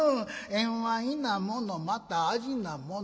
縁は異なものまた味なもの。